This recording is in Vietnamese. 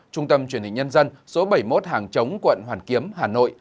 trung tâm truyền hình nhân dân số bảy mươi một hàng chống quận hoàn kiếm hà nội